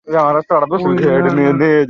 Will, না, না।